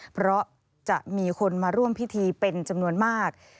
เพราะจะมีคนมาร่วมพิธีเป็นจำนวนมาก